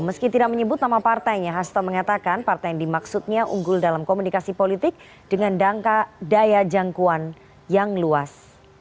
meski tidak menyebut nama partainya hasto mengatakan partai yang dimaksudnya unggul dalam komunikasi politik dengan daya jangkauan yang luas